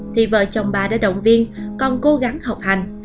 thì vợ chồng bà đã động viên còn cố gắng học hành